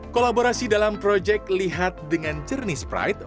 kolaborasi dalam proyek lihat dengan jernih spride